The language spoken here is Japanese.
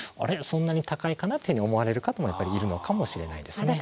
そんなに高いかなっていうふうに思われる方もいるのかもしれないですね。